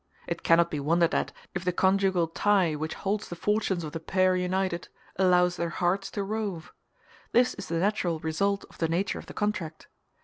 It cannot be wondered at if the conjugal tie which holds the fortunes of the pair united allows their hearts to rove; this is the natural result of the nature of the contract.